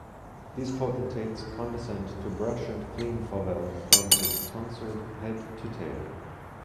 These potentates condescend to brush and clean Fauvel from his tonsured head to tail.